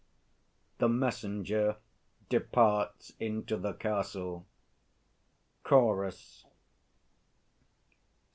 [The MESSENGER departs into the Castle. CHORUS.